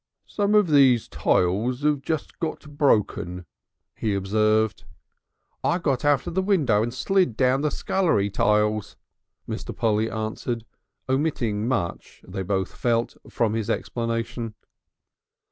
"Some of these tiles 'ave just got broken," he observed. "I got out of the window and slid down the scullery tiles," Mr. Polly answered, omitting much, they both felt, from his explanation....